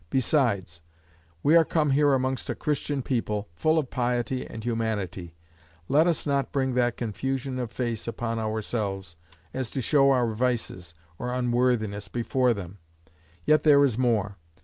Besides we are come here amongst a Christian people, full of piety and humanity: let us not bring that confusion of face upon ourselves, as to show our vices, or unworthiness before them. Yet there is more.